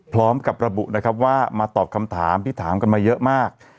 พร้อมกับระบุนะครับว่ามาตอบคำถามที่ถามกันมาเยอะมาก